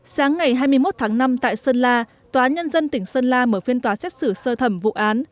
sáng ngày hai mươi một tháng năm tại sơn la tòa án nhân dân tỉnh sơn la mở phiên tòa xét xử sơ thẩm vụ án